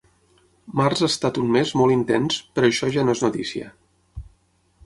Març ha estat un mes molt intens, però això ja no és notícia.